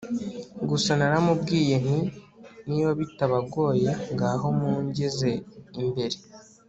gusa naramubwiye nti niba bitabagoye ngaho mungeze imbere